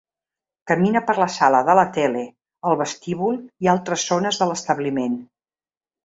Camina per la sala de la tele, el vestíbul i altres zones de l'establiment.